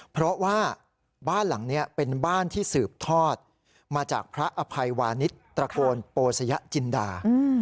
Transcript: เพราะว่าบ้านหลังนี้เป็นบ้านที่สืบทอดมาจากพระอภัยวานิสตระโกนโปสยจินดา